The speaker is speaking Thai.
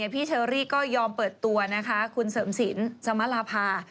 เชอรี่ก็ยอมเปิดตัวนะคะคุณเสริมสินสมราภา